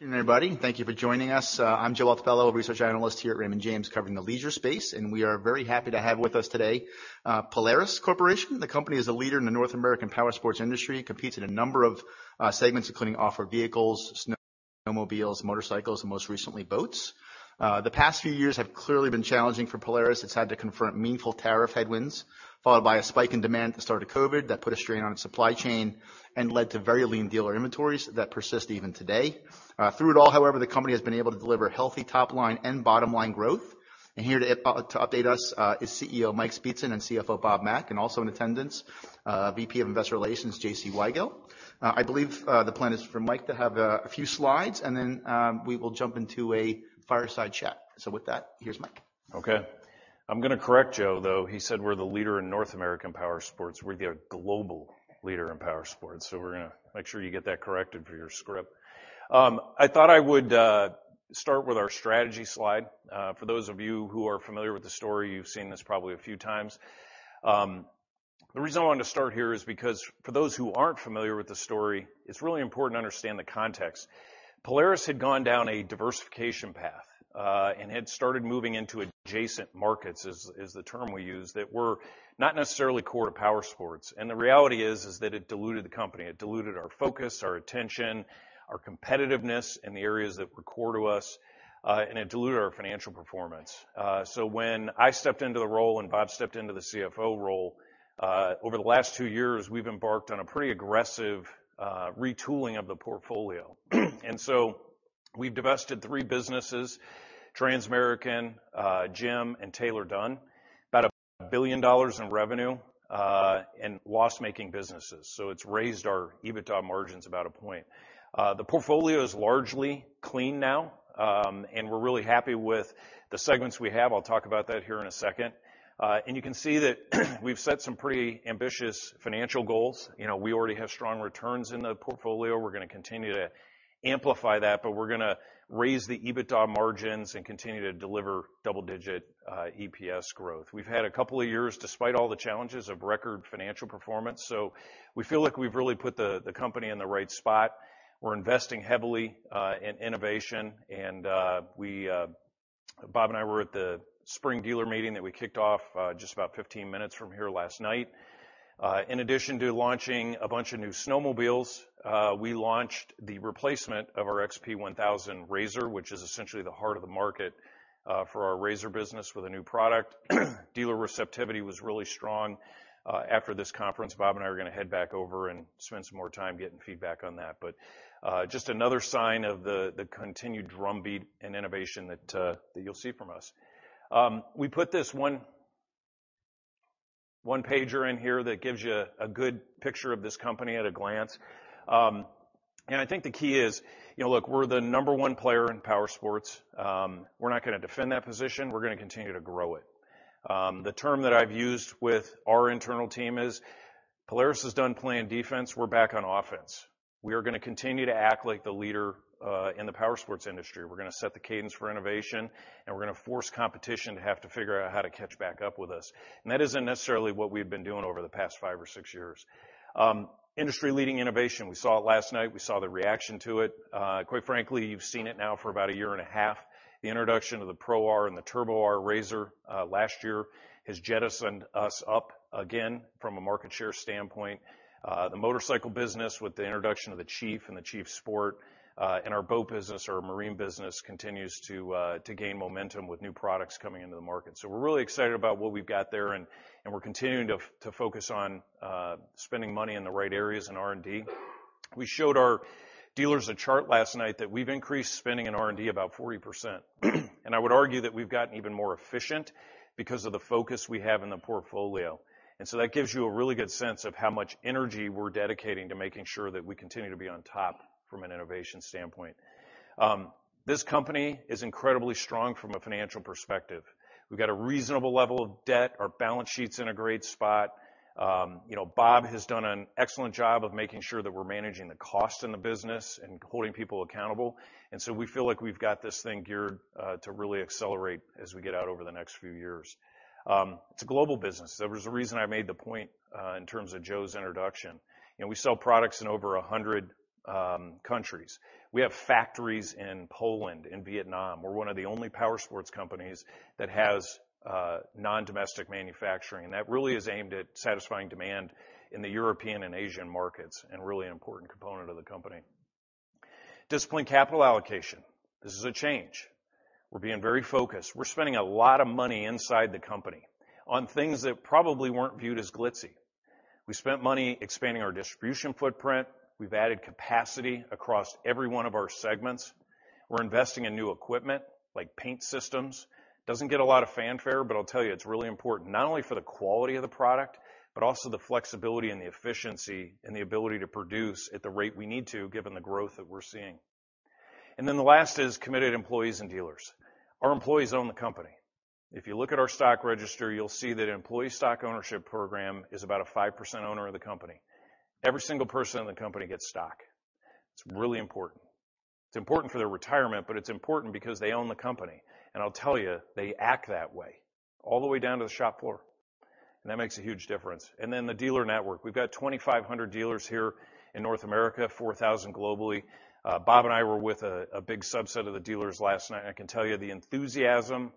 Good evening, everybody. Thank you for joining us. I'm Joe Altobello, research analyst here at Raymond James, covering the leisure space. We are very happy to have with us today, Polaris Inc.. The company is a leader in the North American powersports industry. It competes in a number of segments, including off-road vehicles, snowmobiles, motorcycles, and most recently, boats. The past few years have clearly been challenging for Polaris. It's had to confront meaningful tariff headwinds followed by a spike in demand at the start of COVID that put a strain on its supply chain and led to very lean dealer inventories that persist even today. Through it all, however, the company has been able to deliver healthy top line and bottom line growth. Here to update us is CEO Michael Speetzen and CFO Bob Mack, and also in attendance, VP of Investor Relations, J.C. Weigelt. I believe the plan is for Mike to have a few slides and then we will jump into a fireside chat. With that, here's Mike. Okay. I'm gonna correct Joe though. He said we're the leader in North American powersports. We're the global leader in powersports. We're gonna make sure you get that corrected for your script. I thought I would start with our strategy slide. For those of you who are familiar with the story, you've seen this probably a few times. The reason I want to start here is because for those who aren't familiar with the story, it's really important to understand the context. Polaris had gone down a diversification path and had started moving into adjacent markets, is the term we use, that were not necessarily core to powersports. The reality is that it diluted the company. It diluted our focus, our attention, our competitiveness in the areas that were core to us, and it diluted our financial performance. When I stepped into the role and Bob stepped into the CFO role, over the last two years, we've embarked on a pretty aggressive retooling of the portfolio. We've divested three businesses, Transamerican, GEM and Taylor-Dunn. About $1 billion in revenue and loss-making businesses. It's raised our EBITDA margins about 1 point. The portfolio is largely clean now. We're really happy with the segments we have. I'll talk about that here in a second. You can see that we've set some pretty ambitious financial goals. You know, we already have strong returns in the portfolio. We're gonna continue to amplify that, but we're gonna raise the EBITDA margins and continue to deliver double-digit EPS growth. We've had a couple of years, despite all the challenges of record financial performance. We feel like we've really put the company in the right spot. We're investing heavily in innovation and we, Bob and I were at the spring dealer meeting that we kicked off just about 15 minutes from here last night. In addition to launching a bunch of new snowmobiles, we launched the replacement of our RZR XP 1000, which is essentially the heart of the market for our RZR business with a new product. Dealer receptivity was really strong. After this conference, Bob and I are gonna head back over and spend some more time getting feedback on that. Just another sign of the continued drumbeat and innovation that you'll see from us. We put this one pager in here that gives you a good picture of this company at a glance. I think the key is, you know, look, we're the number one player in powersports. We're not gonna defend that position. We're gonna continue to grow it. The term that I've used with our internal team is Polaris is done playing defense, we're back on offense. We are gonna continue to act like the leader in the powersports industry. We're gonna set the cadence for innovation, and we're gonna force competition to have to figure out how to catch back up with us. That isn't necessarily what we've been doing over the past five or six years. Industry-leading innovation. We saw it last night. We saw the reaction to it. Quite frankly, you've seen it now for about a year and a half. The introduction of the Pro R and the Turbo R RZR last year has jettisoned us up again from a market share standpoint. The motorcycle business with the introduction of the Chief and the Sport Chief and our boat business or marine business continues to gain momentum with new products coming into the market. We're really excited about what we've got there and we're continuing to focus on spending money in the right areas in R&D. We showed our dealers a chart last night that we've increased spending in R&D about 40%. I would argue that we've gotten even more efficient because of the focus we have in the portfolio. That gives you a really good sense of how much energy we're dedicating to making sure that we continue to be on top from an innovation standpoint. This company is incredibly strong from a financial perspective. We've got a reasonable level of debt. Our balance sheet's in a great spot. You know, Bob has done an excellent job of making sure that we're managing the cost in the business and holding people accountable. We feel like we've got this thing geared to really accelerate as we get out over the next few years. It's a global business. There was a reason I made the point in terms of Joe's introduction. You know, we sell products in over 100 countries. We have factories in Poland and Vietnam. We're one of the only powersports companies that has non-domestic manufacturing, and that really is aimed at satisfying demand in the European and Asian markets and really an important component of the company. Disciplined capital allocation. This is a change. We're being very focused. We're spending a lot of money inside the company on things that probably weren't viewed as glitzy. We spent money expanding our distribution footprint. We've added capacity across every one of our segments. We're investing in new equipment like paint systems. Doesn't get a lot of fanfare, but I'll tell you it's really important, not only for the quality of the product, but also the flexibility and the efficiency and the ability to produce at the rate we need to given the growth that we're seeing. The last is committed employees and dealers. Our employees own the company. If you look at our stock register, you'll see that employee stock ownership program is about a 5% owner of the company. Every single person in the company gets stock. It's really important. It's important for their retirement, but it's important because they own the company. I'll tell you, they act that way all the way down to the shop floor. That makes a huge difference. The dealer network, we've got 2,500 dealers here in North America, 4,000 globally. Bob and I were with a big subset of the dealers last night, and I can tell you the enthusiasm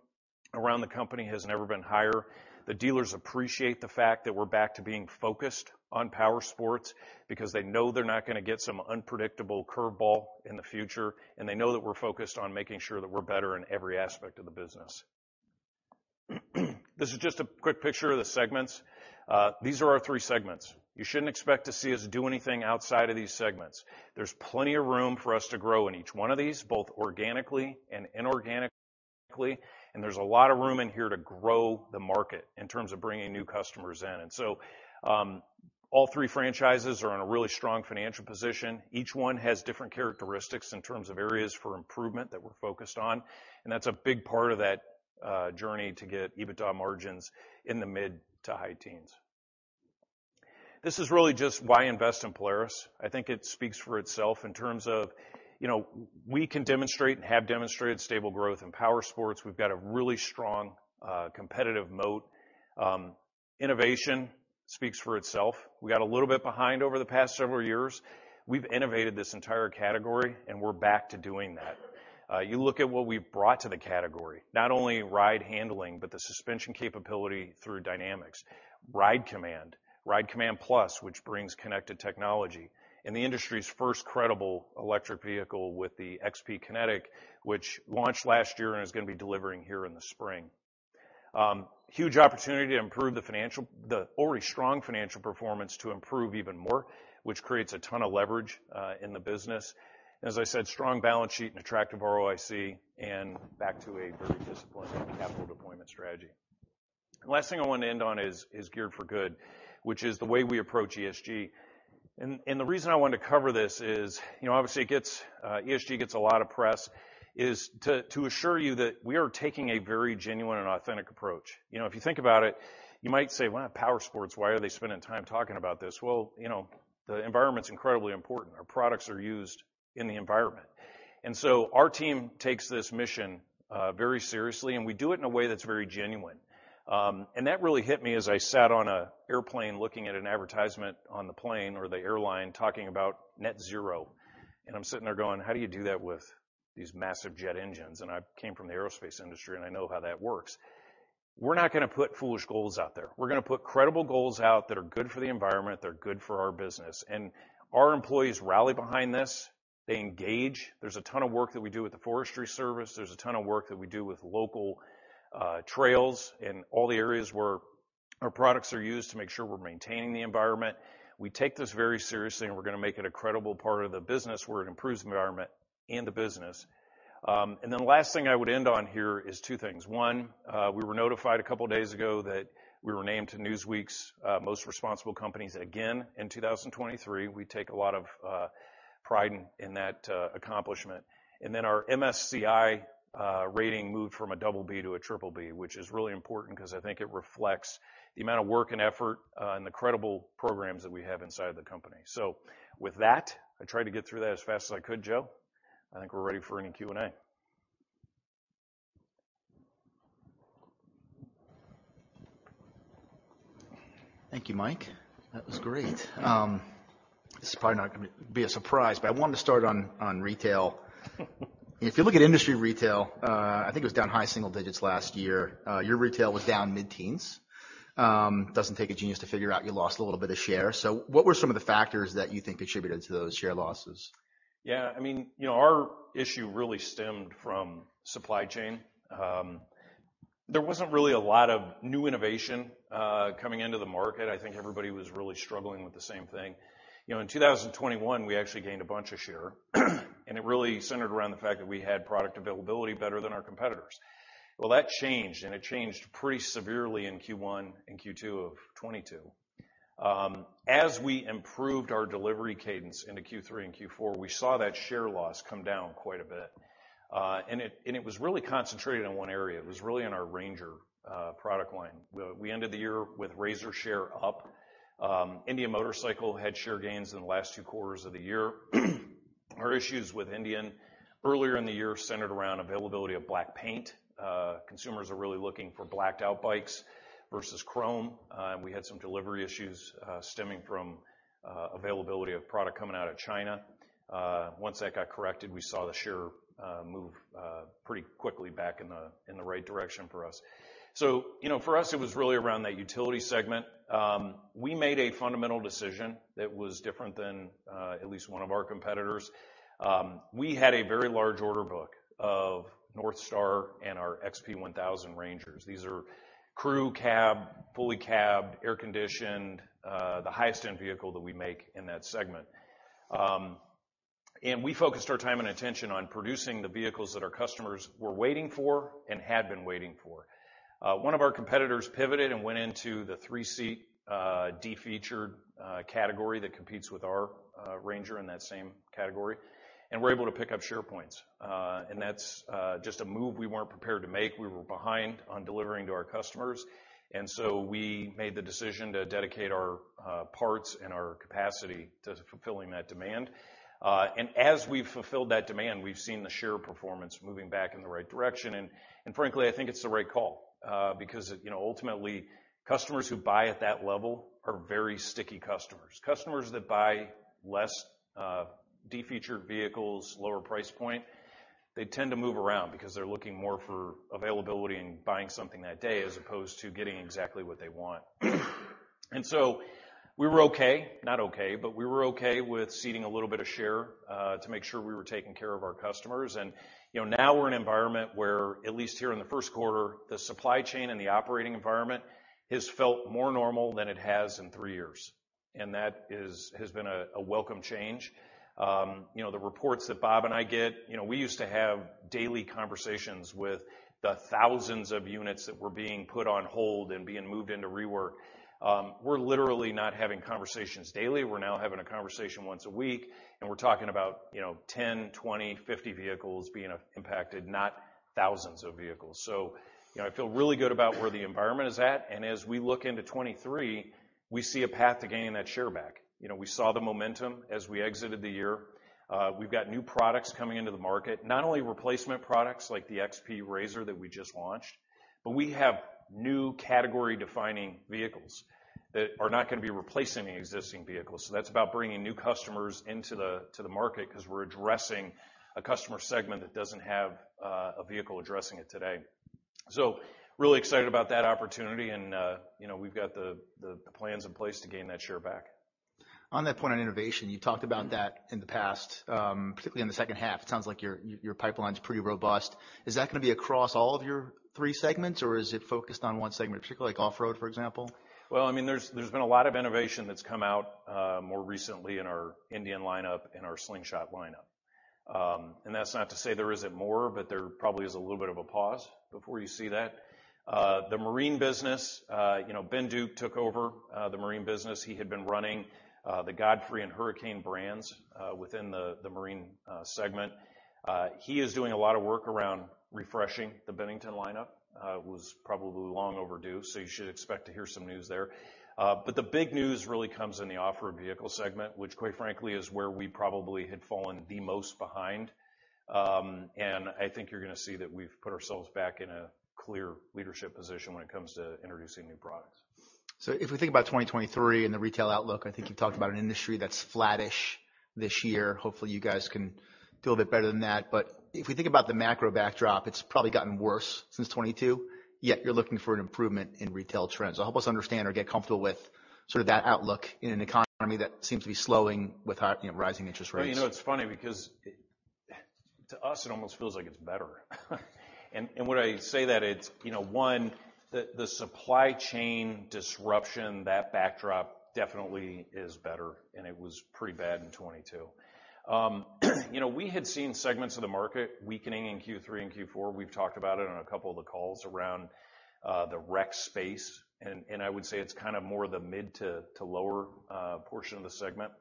around the company has never been higher. The dealers appreciate the fact that we're back to being focused on powersports because they know they're not gonna get some unpredictable curveball in the future, and they know that we're focused on making sure that we're better in every aspect of the business. This is just a quick picture of the segments. These are our three segments. You shouldn't expect to see us do anything outside of these segments. There's plenty of room for us to grow in each one of these, both organically and inorganically, and there's a lot of room in here to grow the market in terms of bringing new customers in. All three franchises are in a really strong financial position. Each one has different characteristics in terms of areas for improvement that we're focused on, and that's a big part of that journey to get EBITDA margins in the mid to high teens. This is really just why invest in Polaris. I think it speaks for itself in terms of, you know, we can demonstrate and have demonstrated stable growth in powersports. We've got a really strong competitive moat. Innovation speaks for itself. We got a little bit behind over the past several years. We've innovated this entire category, and we're back to doing that. You look at what we've brought to the category, not only ride handling but the suspension capability through DYNAMIX, RIDE COMMAND, RIDE COMMAND+, which brings connected technology, and the industry's first credible electric vehicle with the XP Kinetic, which launched last year and is gonna be delivering here in the spring. Huge opportunity to improve the already strong financial performance to improve even more, which creates a ton of leverage in the business. As I said, strong balance sheet and attractive ROIC and back to a very disciplined capital deployment strategy. Last thing I want to end on is Geared For Good, which is the way we approach ESG. The reason I wanted to cover this is, you know, obviously ESG gets a lot of press, is to assure you that we are taking a very genuine and authentic approach. You know, if you think about it, you might say, "Well, powersports, why are they spending time talking about this?" Well, you know, the environment's incredibly important. Our products are used in the environment. Our team takes this mission very seriously, and we do it in a way that's very genuine. That really hit me as I sat on a airplane looking at an advertisement on the plane or the airline talking about net zero. I'm sitting there going, "How do you do that with these massive jet engines?" I came from the aerospace industry, and I know how that works. We're not gonna put foolish goals out there. We're gonna put credible goals out that are good for the environment, they're good for our business, and our employees rally behind this. They engage. There's a ton of work that we do with the U.S. Forest Service. There's a ton of work that we do with local, trails and all the areas where our products are used to make sure we're maintaining the environment. We take this very seriously, and we're gonna make it a credible part of the business where it improves the environment and the business. Last thing I would end on here is two things. One, we were notified a couple days ago that we were named to Newsweek's America's Most Responsible Companies again in 2023. We take a lot of pride in that accomplishment. Our MSCI rating moved from a double B to a triple B, which is really important because I think it reflects the amount of work and effort, and the credible programs that we have inside the company. With that, I tried to get through that as fast as I could, Joe. I think we're ready for any Q&A. Thank you, Mike. That was great. This is probably not gonna be a surprise, but I wanted to start on retail. If you look at industry retail, I think it was down high single digits last year. Your retail was down mid-teens. Doesn't take a genius to figure out you lost a little bit of share. What were some of the factors that you think contributed to those share losses? I mean, you know, our issue really stemmed from supply chain. There wasn't really a lot of new innovation coming into the market. I think everybody was really struggling with the same thing. You know, in 2021, we actually gained a bunch of share, and it really centered around the fact that we had product availability better than our competitors. Well, that changed, and it changed pretty severely in Q1 and Q2 of 2022. As we improved our delivery cadence into Q3 and Q4, we saw that share loss come down quite a bit. It, and it was really concentrated in one area. It was really in our RANGER product line. We ended the year with RZR share up. Indian Motorcycle had share gains in the last two quarters of the year. Our issues with Indian earlier in the year centered around availability of black paint. Consumers are really looking for blacked-out bikes versus chrome. We had some delivery issues, stemming from, availability of product coming out of China. Once that got corrected, we saw the share, move, pretty quickly back in the, in the right direction for us. You know, for us, it was really around that utility segment. We made a fundamental decision that was different than, at least one of our competitors. We had a very large order book of NorthStar and our XP 1000 Rangers. These are crew cab, fully cabbed, air-conditioned, the highest-end vehicle that we make in that segment. We focused our time and attention on producing the vehicles that our customers were waiting for and had been waiting for. One of our competitors pivoted and went into the three seat, de-featured, category that competes with our RANGER in that same category, and were able to pick up share points. And that's just a move we weren't prepared to make. We were behind on delivering to our customers. We made the decision to dedicate our parts and our capacity to fulfilling that demand. As we've fulfilled that demand, we've seen the share performance moving back in the right direction. Frankly, I think it's the right call, because, you know, ultimately, customers who buy at that level are very sticky customers. Customers that buy less, de-featured vehicles, lower price point, they tend to move around because they're looking more for availability and buying something that day as opposed to getting exactly what they want. We were okay, not okay, but we were okay with ceding a little bit of share to make sure we were taking care of our customers. You know, now we're in an environment where, at least here in the first quarter, the supply chain and the operating environment has felt more normal than it has in three years. That is, has been a welcome change. You know, the reports that Bob and I get, you know, we used to have daily conversations with the thousands of units that were being put on hold and being moved into rework. We're literally not having conversations daily. We're now having a conversation once a week, and we're talking about, you know, 10, 20, 50 vehicles being impacted, not thousands of vehicles. You know, I feel really good about where the environment is at. As we look into 23, we see a path to gaining that share back. You know, we saw the momentum as we exited the year. We've got new products coming into the market, not only replacement products like the RZR XP that we just launched, but we have new category-defining vehicles that are not gonna be replacing any existing vehicles. That's about bringing new customers into the, to the market 'cause we're addressing a customer segment that doesn't have a vehicle addressing it today. Really excited about that opportunity and, you know, we've got the plans in place to gain that share back. On that point on innovation, you talked about that in the past, particularly in the second half. It sounds like your pipeline's pretty robust. Is that gonna be across all of your three segments, or is it focused on one segment, particularly like off-road, for example? Well, I mean, there's been a lot of innovation that's come out more recently in our Indian lineup, in our Slingshot lineup. That's not to say there isn't more, but there probably is a little bit of a pause before you see that. The marine business, you know, Ben Duke took over the marine business. He had been running the Godfrey and Hurricane brands within the marine segment. He is doing a lot of work around refreshing the Bennington lineup. It was probably long overdue, you should expect to hear some news there. The big news really comes in the off-road vehicle segment, which quite frankly, is where we probably had fallen the most behind. I think you're gonna see that we've put ourselves back in a clear leadership position when it comes to introducing new products. If we think about 2023 and the retail outlook, I think you talked about an industry that's flattish this year. Hopefully, you guys can do a bit better than that. If we think about the macro backdrop, it's probably gotten worse since 2022, yet you're looking for an improvement in retail trends. Help us understand or get comfortable with sort of that outlook in an economy that seems to be slowing with high, you know, rising interest rates? Well, you know, it's funny because to us, it almost feels like it's better. When I say that it's, you know, one, the supply chain disruption, that backdrop definitely is better, and it was pretty bad in 22. You know, we had seen segments of the market weakening in Q3 and Q4. We've talked about it on a couple of the calls around the rec space, and I would say it's kind of more the mid to lower portion of the segment.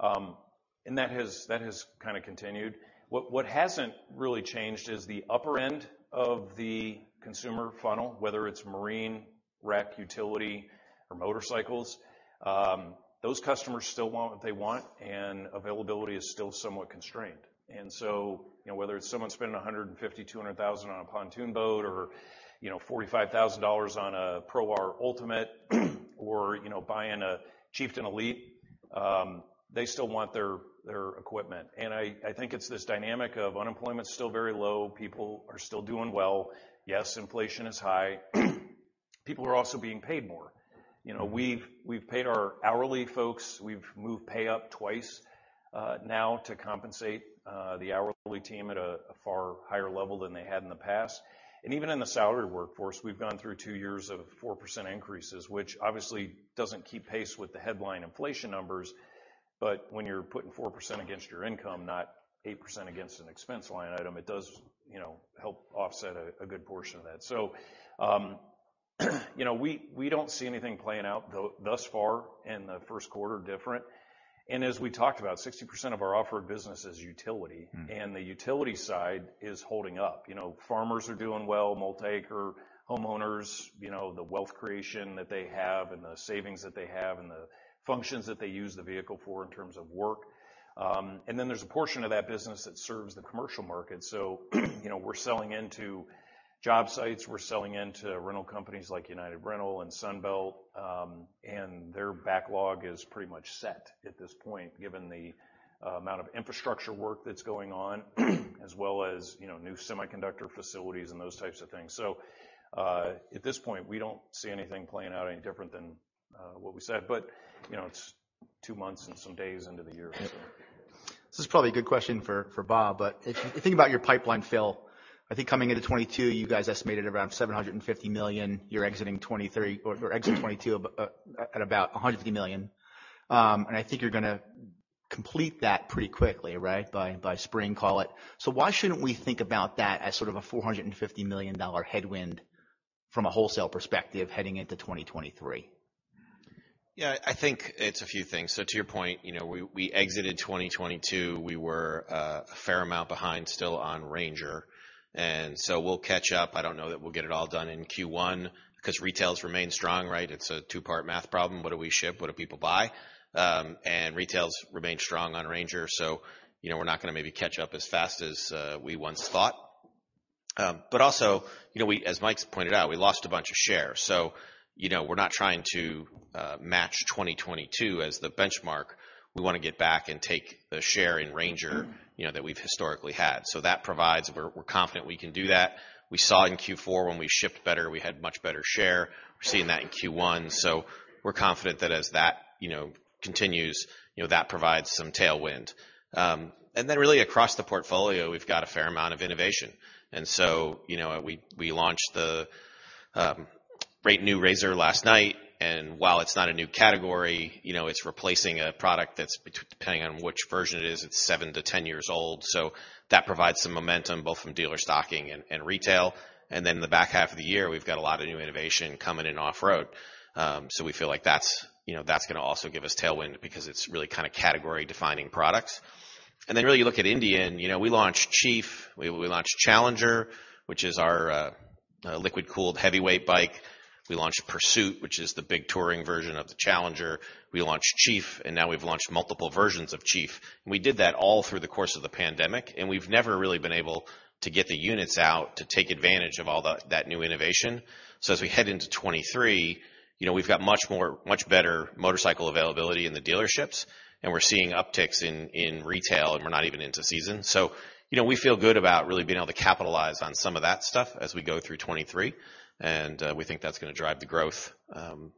That has kind of continued. What hasn't really changed is the upper end of the consumer funnel, whether it's marine, rec, utility or motorcycles, those customers still want what they want, and availability is still somewhat constrained. You know, whether it's someone spending $150,000-$200,000 on a pontoon boat or, you know, $45,000 on a RZR Pro R Ultimate or, you know, buying an Indian Chieftain Elite, they still want their equipment. I think it's this dynamic of unemployment's still very low. People are still doing well. Yes, inflation is high. People are also being paid more. You know, we've paid our hourly folks. We've moved pay up twice now to compensate the hourly team at a far higher level than they had in the past. Even in the salary workforce, we've gone through two years of 4% increases, which obviously doesn't keep pace with the headline inflation numbers. When you're putting 4% against your income, not 8% against an expense line item, it does, you know, help offset a good portion of that. You know, we don't see anything playing out thus far in the first quarter different. As we talked about, 60% of our off-road business is utility. Mm-hmm. The utility side is holding up. You know, farmers are doing well. Multi-acre homeowners, you know, the wealth creation that they have and the savings that they have and the functions that they use the vehicle for in terms of work. Then there's a portion of that business that serves the commercial market. You know, we're selling into job sites, we're selling into rental companies like United Rentals and Sunbelt Rentals, and their backlog is pretty much set at this point, given the amount of infrastructure work that's going on, as well as, you know, new semiconductor facilities and those types of things. At this point, we don't see anything playing out any different than what we said. You know, it's two months and some days into the year. Yeah. This is probably a good question for Bob, but if you think about your pipeline fill, I think coming into 2022, you guys estimated around $750 million. You're exiting 2023 or exiting 2022 at about $150 million. I think you're gonna complete that pretty quickly, right? By spring, call it. Why shouldn't we think about that as sort of a $450 million headwind from a wholesale perspective heading into 2023? I think it's a few things. To your point, you know, we exited 2022, we were a fair amount behind still on RANGER. We'll catch up. I don't know that we'll get it all done in Q1 'cause retail's remained strong, right? It's a two-part math problem. What do we ship? What do people buy? Retail's remained strong on RANGER, you know, we're not gonna maybe catch up as fast as we once thought. Also, you know, as Mike's pointed out, we lost a bunch of shares. You know, we're not trying to match 2022 as the benchmark. We wanna get back and take the share in RANGER, you know, that we've historically had. We're confident we can do that. We saw in Q4 when we shipped better, we had much better share. We're seeing that in Q1. We're confident that as that, you know, continues, you know, that provides some tailwind. Really across the portfolio, we've got a fair amount of innovation. You know, we launched the great new RZR last night, and while it's not a new category, you know, it's replacing a product that's depending on which version it is, it's seven-10 years old. That provides some momentum both from dealer stocking and retail. In the back half of the year, we've got a lot of new innovation coming in off road. We feel like that's, you know, that's gonna also give us tailwind because it's really kinda category-defining products. Really you look at Indian, you know, we launched Chief, we launched Challenger, which is our liquid-cooled heavyweight bike. We launched Pursuit, which is the big touring version of the Challenger. We launched Chief, now we've launched multiple versions of Chief. We did that all through the course of the pandemic, and we've never really been able to get the units out to take advantage of that new innovation. As we head into 2023, you know, we've got much better motorcycle availability in the dealerships, and we're seeing upticks in retail, and we're not even into season. You know, we feel good about really being able to capitalize on some of that stuff as we go through 2023. We think that's gonna drive the growth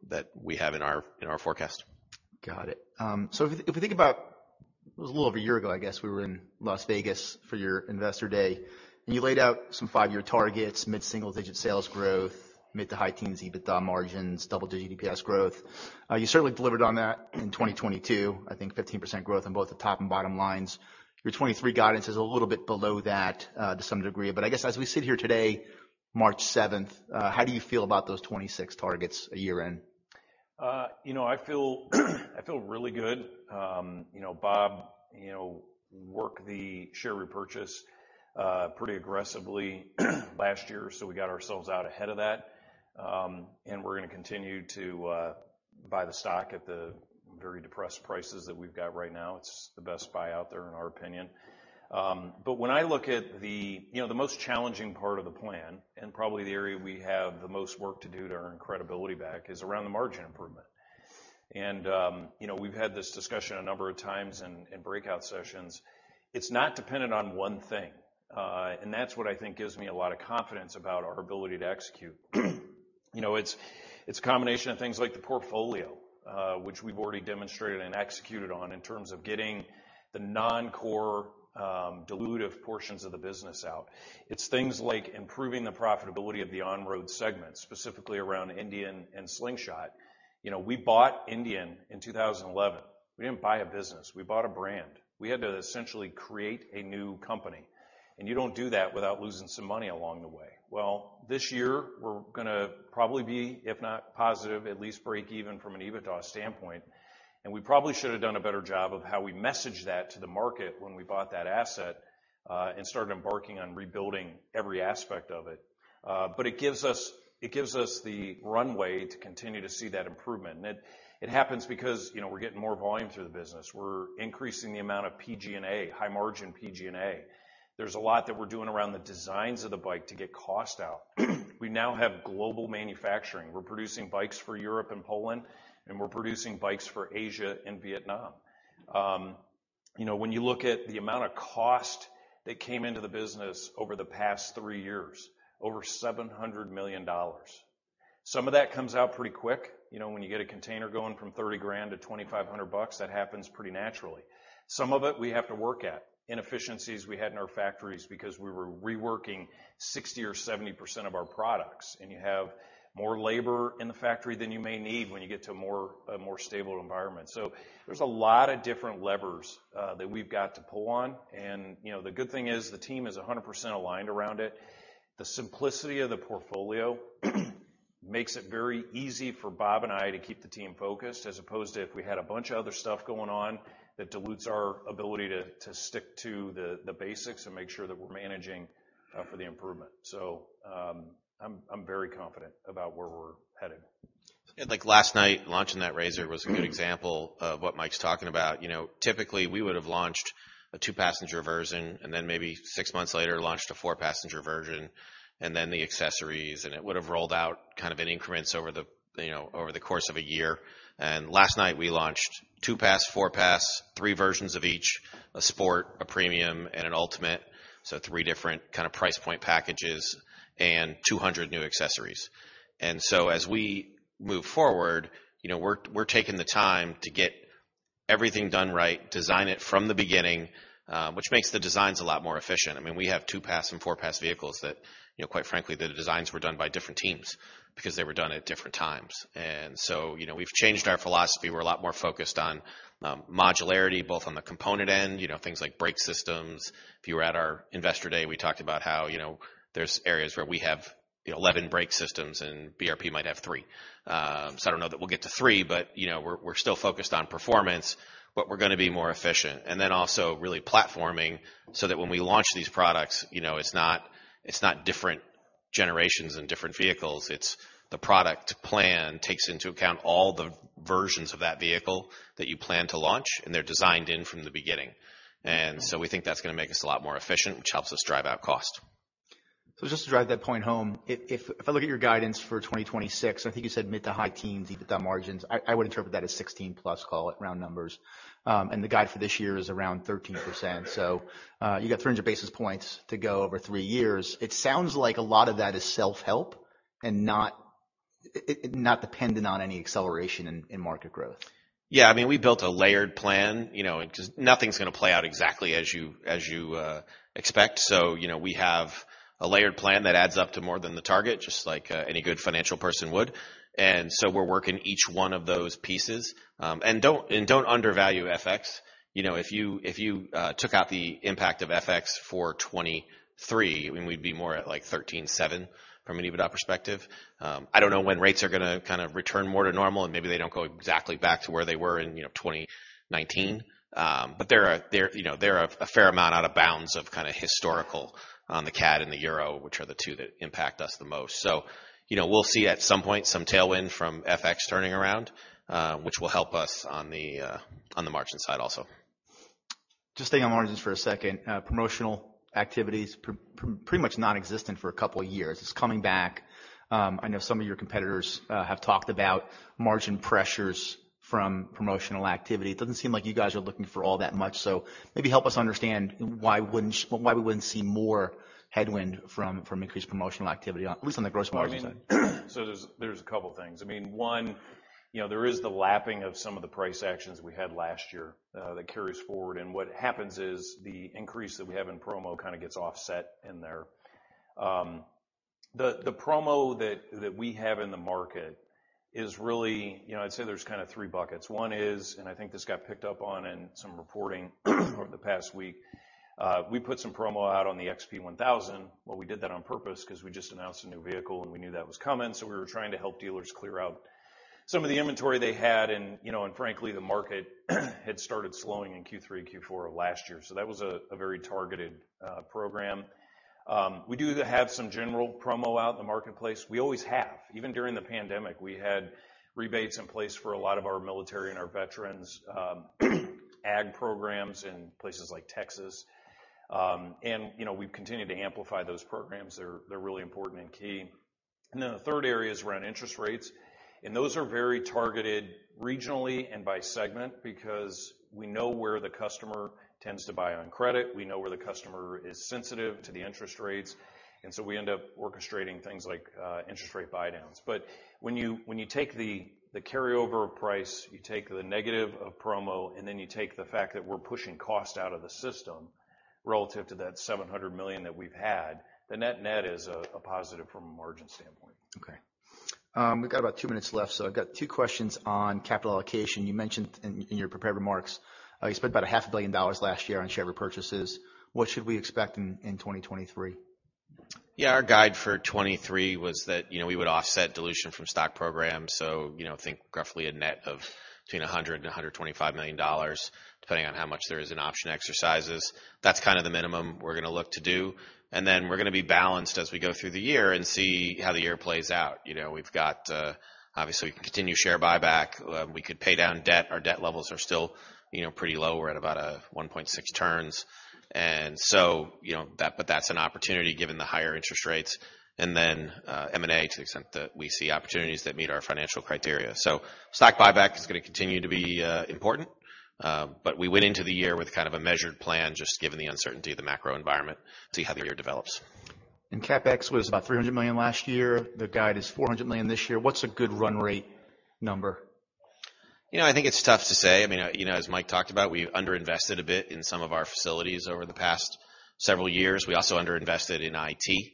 that we have in our forecast. Got it. If, if we think about, it was a little over a year ago, I guess, we were in Las Vegas for your investor day, and you laid out some five year targets, mid-single-digit sales growth, mid to high teens EBITDA margins, double-digit EPS growth. You certainly delivered on that in 2022. I think 15% growth on both the top and bottom lines. Your 2023 guidance is a little bit below that to some degree. I guess as we sit here today, March 7th, how do you feel about those 2026 targets a year in? You know, I feel really good. You know, Bob, you know, worked the share repurchase pretty aggressively last year, so we got ourselves out ahead of that. We're gonna continue to buy the stock at the very depressed prices that we've got right now. It's the best buy out there, in our opinion. When I look at the... You know, the most challenging part of the plan, and probably the area we have the most work to do to earn credibility back, is around the margin improvement. You know, we've had this discussion a number of times in breakout sessions. It's not dependent on one thing, and that's what I think gives me a lot of confidence about our ability to execute. You know, it's a combination of things like the portfolio, which we've already demonstrated and executed on in terms of getting the non-core, dilutive portions of the business out. It's things like improving the profitability of the on-road segment, specifically around Indian and Slingshot. You know, we bought Indian in 2011. We didn't buy a business. We bought a brand. We had to essentially create a new company. You don't do that without losing some money along the way. Well, this year, we're gonna probably be, if not positive, at least break even from an EBITDA standpoint. We probably should have done a better job of how we messaged that to the market when we bought that asset, and started embarking on rebuilding every aspect of it. It gives us, it gives us the runway to continue to see that improvement. It, it happens because, you know, we're getting more volume through the business. We're increasing the amount of PG&A, high-margin PG&A. There's a lot that we're doing around the designs of the bike to get cost out. We now have global manufacturing. We're producing bikes for Europe and Poland, and we're producing bikes for Asia and Vietnam. You know, when you look at the amount of cost that came into the business over the past three years, over $700 million. Some of that comes out pretty quick. You know, when you get a container going from $30,000 to $2,500, that happens pretty naturally. Some of it we have to work at. Inefficiencies we had in our factories because we were reworking 60% or 70% of our products, and you have more labor in the factory than you may need when you get to a more, a more stable environment. There's a lot of different levers that we've got to pull on. You know, the good thing is the team is 100% aligned around it. The simplicity of the portfolio makes it very easy for Bob and I to keep the team focused as opposed to if we had a bunch of other stuff going on that dilutes our ability to stick to the basics and make sure that we're managing for the improvement. I'm very confident about where we're headed. Like last night, launching that RZR was a good example of what Mike's talking about. You know, typically, we would have launched a two-passenger version and then maybe six months later, launched a four-passenger version and then the accessories, it would have rolled out kind of in increments over the, you know, over the course of a year. Last night, we launched two-pass, four-pass, three versions of each, a sport, a premium, and an Ultimate, so three different kind of price point packages and 200 new accessories. As we move forward, you know, we're taking the time to get everything done right, design it from the beginning, which makes the designs a lot more efficient. I mean, we have two-pass and four-pass vehicles that, you know, quite frankly, the designs were done by different teams because they were done at different times. You know, we've changed our philosophy. We're a lot more focused on modularity, both on the component end, you know, things like brake systems. If you were at our investor day, we talked about how, you know, there's areas where we have 11 brake systems and BRP might have three. I don't know that we'll get to three, but, you know, we're still focused on performance, but we're gonna be more efficient. Also really platforming so that when we launch these products, you know, it's not different generations and different vehicles. It's the product plan takes into account all the versions of that vehicle that you plan to launch, and they're designed in from the beginning. We think that's gonna make us a lot more efficient, which helps us drive out cost. Just to drive that point home, if I look at your guidance for 2026, I think you said mid to high teens EBITDA margins. I would interpret that as 16+, call it, round numbers. And the guide for this year is around 13%. You got 300 basis points to go over three years. It sounds like a lot of that is self-help and not dependent on any acceleration in market growth. Yeah. I mean, we built a layered plan, you know, 'cause nothing's gonna play out exactly as you expect. So, you know, we have a layered plan that adds up to more than the target, just like any good financial person would. We're working each one of those pieces. Don't undervalue FX. You know, if you took out the impact of FX for 2023, I mean, we'd be more at, like, $13.7 from an EBITDA perspective. I don't know when rates are gonna kind of return more to normal, and maybe they don't go exactly back to where they were in, you know, 2019. They're, you know, they're a fair amount out of bounds of kind of historical on the CAD and the EUR, which are the two that impact us the most. You know, we'll see at some point some tailwind from FX turning around, which will help us on the margin side also. Just staying on margins for a second. Promotional activities pretty much nonexistent for a couple of years. It's coming back. I know some of your competitors have talked about margin pressures from promotional activity. It doesn't seem like you guys are looking for all that much. Maybe help us understand why we wouldn't see more headwind from increased promotional activity, at least on the gross margin side. I mean, there's a couple things. I mean, one, you know, there is the lapping of some of the price actions we had last year that carries forward. What happens is the increase that we have in promo kind of gets offset in there. The promo that we have in the market is really. You know, I'd say there's kind of three buckets. One is, and I think this got picked up on in some reporting over the past week. We put some promo out on the XP 1000. Well, we did that on purpose 'cause we just announced a new vehicle, and we knew that was coming. We were trying to help dealers clear out some of the inventory they had and, you know, and frankly, the market had started slowing in Q3, Q4 of last year. That was a very targeted program. We do have some general promo out in the marketplace. We always have. Even during the pandemic, we had rebates in place for a lot of our military and our veterans, ag programs in places like Texas. You know, we've continued to amplify those programs. They're really important and key. The third area is around interest rates, and those are very targeted regionally and by segment because we know where the customer tends to buy on credit, we know where the customer is sensitive to the interest rates, we end up orchestrating things like interest rate buydowns. When you take the carryover price, you take the negative of promo, and then you take the fact that we're pushing cost out of the system relative to that $700 million that we've had, the net-net is a positive from a margin standpoint. Okay. We've got about two minutes left. I've got two questions on capital allocation. You mentioned in your prepared remarks, you spent about a half a billion dollars last year on share repurchases. What should we expect in 2023? Our guide for 2023 was that, you know, we would offset dilution from stock programs. You know, think roughly a net of between $100 million and $125 million, depending on how much there is in option exercises. That's kind of the minimum we're gonna look to do. We're gonna be balanced as we go through the year and see how the year plays out. You know, we've got, obviously, we can continue share buyback. We could pay down debt. Our debt levels are still, you know, pretty low. We're at about 1.6 turns. You know, but that's an opportunity given the higher interest rates. M&A to the extent that we see opportunities that meet our financial criteria. Stock buyback is gonna continue to be important. We went into the year with kind of a measured plan, just given the uncertainty of the macro environment to see how the year develops. CapEx was about $300 million last year. The guide is $400 million this year. What's a good run rate number? You know, I think it's tough to say. I mean, you know, as Mike talked about, we've underinvested a bit in some of our facilities over the past several years. We also underinvested in IT.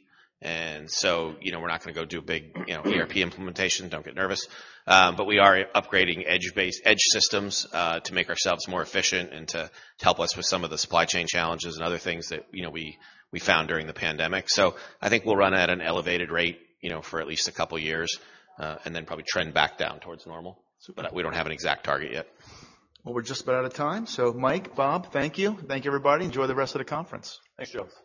So, you know, we're not gonna go do a big, you know, ERP implementation. Don't get nervous. But we are upgrading edge systems to make ourselves more efficient and to help us with some of the supply chain challenges and other things that, you know, we found during the pandemic. I think we'll run at an elevated rate, you know, for at least a couple years, and then probably trend back down towards normal. But we don't have an exact target yet. Well, we're just about out of time. Mike, Bob, thank you. Thank you, everybody. Enjoy the rest of the conference. Thanks, Joe. Thanks.